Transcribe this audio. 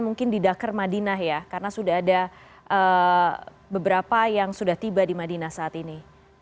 mungkin di dakar madinah ya karena sudah ada beberapa yang sudah tiba di madinah saat ini